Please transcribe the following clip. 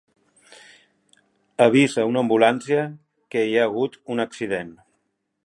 Avisa a una ambulància, que hi ha hagut un accident.